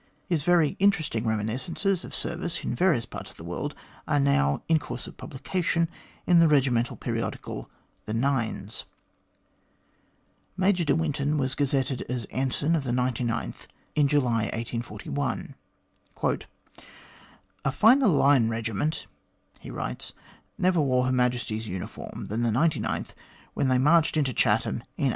His very interesting reminis cences of service in various parts of the world are now in course of publication in the regimental periodical, The Nines. Major de Winton was gazetted as Ensign of the 99th in July 1841. " A finer Line Regiment," he writes, " never wore Her Majesty's uniform than the 99th when they marched into Chatham in 1841.